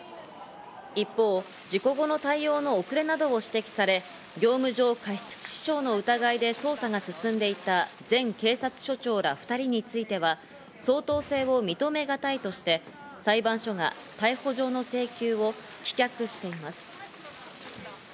一方、事故後の対応の遅れなどを指摘され、業務上過失致傷の疑いで捜査が進んでいた前警察署長ら２人については、相当性を認めがたいとして、裁判所が逮捕状の請求を棄却しています。